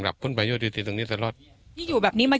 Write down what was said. รับคุณประโยชน์อยู่ที่ตรงนี้ตลอดนี่อยู่แบบนี้มา